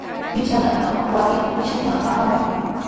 Pichanata wasita pichapakunapaq apamuy.